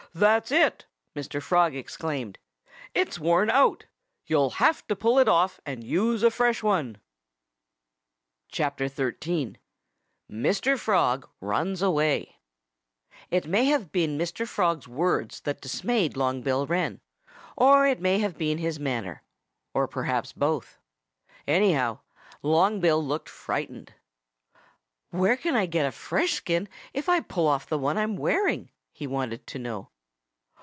"That's it!" Mr. Frog exclaimed. "It's worn out. You'll have to pull it off and use a fresh one." XXIII MR. FROG RUNS AWAY It may have been Mr. Frog's words that dismayed Long Bill Wren, or it may have been his manner or perhaps both. Anyhow, Long Bill looked frightened. "Where can I get a fresh skin if I pull off the one I'm wearing?" he wanted to know.